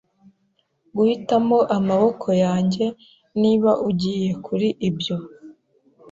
guhitamo amaboko yanjye, niba ugiye kuri ibyo. ”